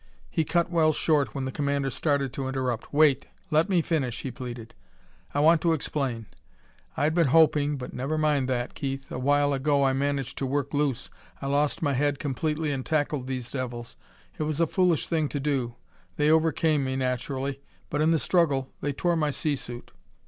He cut Wells short when the commander started to interrupt. "Wait! Let me finish," he pleaded. "I want to explain. I'd been hoping but never mind that.... Keith, a while ago I managed to work loose. I lost my head completely and tackled these devils. It was a foolish thing to do; they overcame me, naturally. But, in the struggle, they tore my sea suit."